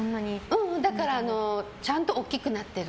ううん、だからちゃんと大きくなってる。